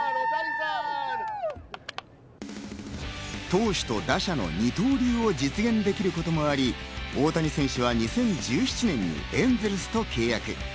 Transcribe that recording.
投手と打者の二刀流を実現できることもあり、大谷選手は２０１７年にエンゼルスと契約。